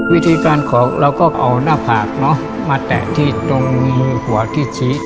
วิธีการของเราก็เอาหน้าผากเนอะมาแตะที่ตรงมือหัวที่ชี้